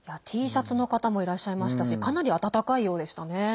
Ｔシャツの方もいらっしゃいましたしかなり暖かいようでしたね。